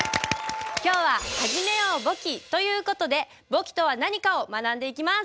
今日は「はじめよう簿記！」という事で「簿記とは何か」を学んでいきます。